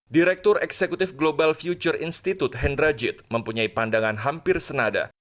direktur eksekutif global future institute hendrajit mempunyai pandangan hampir senada